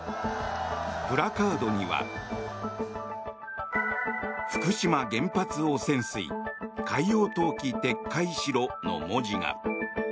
プラカードには「福島原発汚染水海洋投棄撤回しろ！」の文字が。